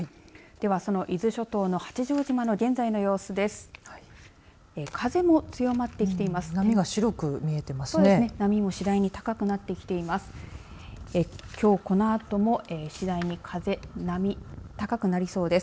では、その伊豆諸島の八丈島の現在の様子です。